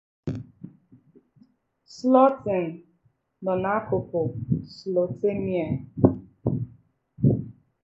Sloten is near the Slotermeer.